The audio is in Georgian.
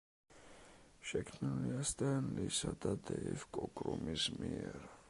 შექმნილია სტენ ლისა და დეივ კოკრუმის მიერ.